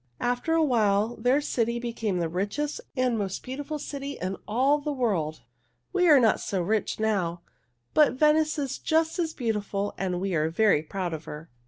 After a while their city became the richest and most beautiful city in all the world. We are not so rich now, but Venice is just as beautiful and we are very proud of her."